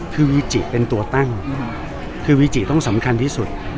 คือวีจิเป็นตัวตั้งคือวีจิต้องสำคัญที่สุด